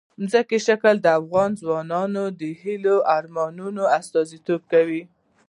ځمکنی شکل د افغان ځوانانو د هیلو او ارمانونو استازیتوب کوي.